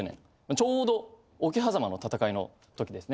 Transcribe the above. ちょうど桶狭間の戦いの時ですね。